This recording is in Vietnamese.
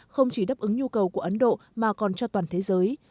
không chỉ đáp ứng nhu cầu của ấn độ mà còn cho toàn thế giới